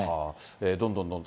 どんどんどんどん。